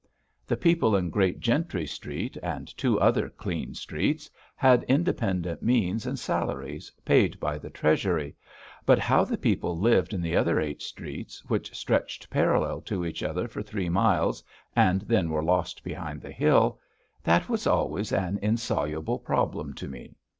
The people in Great Gentry Street and two other clean streets had independent means and salaries paid by the Treasury, but how the people lived in the other eight streets which stretched parallel to each other for three miles and then were lost behind the hill that was always an insoluble problem to me.